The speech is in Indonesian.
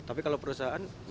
tapi kalau perusahaan